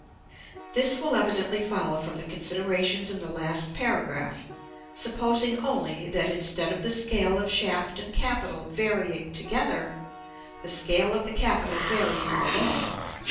_ This will evidently follow from the considerations in the last paragraph; supposing only that, instead of the scale of shaft and capital varying together, the scale of the capital varies alone.